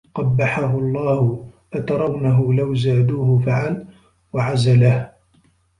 قَبَّحَهُ اللَّهُ أَتَرَوْنَهُ لَوْ زَادُوهُ فَعَلَ ؟ وَعَزَلَهُ